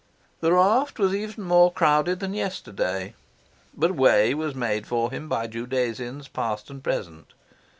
The raft was even more crowded than yesterday, but way was made for him by Judasians past and present.